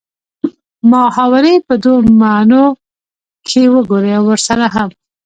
محاورې په دوو معنو کښې وګورئ او ورسره هم